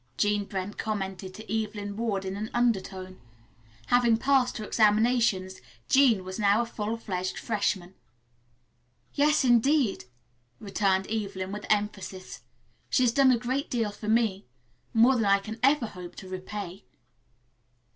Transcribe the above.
Jean Brent commented to Evelyn Ward in an undertone. Having passed her examinations Jean was now a full fledged freshman. "Yes, indeed," returned Evelyn, with emphasis. "She has done a great deal for me. More than I can ever hope to repay."